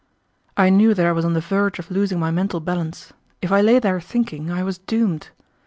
I knew that I was on the verge of losing my mental balance. If I lay there thinking, I was doomed.